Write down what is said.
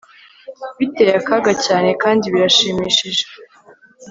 Biteye akaga cyane kandi birashimishije